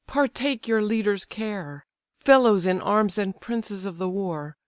partake your leader's care; Fellows in arms and princes of the war!